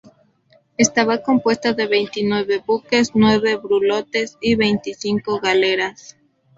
Estaba compuesta de veintinueve buques, nueve brulotes y veinticinco galeras.